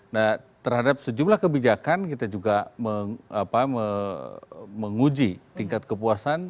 nah terhadap sejumlah kebijakan kita juga menguji tingkat kepuasan